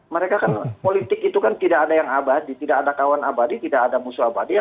mereka kan politik itu kan tidak ada yang abadi tidak ada kawan abadi tidak ada musuh abadi